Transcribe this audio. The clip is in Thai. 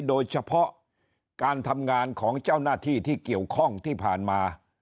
โดยเฉพาะการทำงานของเจ้าหน้าที่ที่เกี่ยวข้องที่ผ่านมา